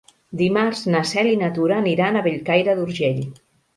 Dimarts na Cel i na Tura aniran a Bellcaire d'Urgell.